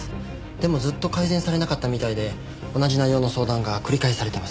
でもずっと改善されなかったみたいで同じ内容の相談が繰り返されてます。